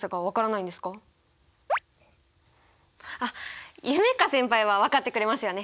あっ夢叶先輩は分かってくれますよね！